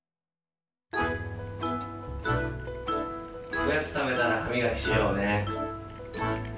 おやつたべたらはみがきしようね。